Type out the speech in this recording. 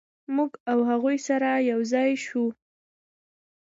موږ او هغوی سره یو ځای شوو.